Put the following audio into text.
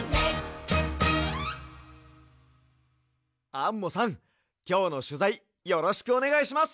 アンモさんきょうのしゅざいよろしくおねがいします。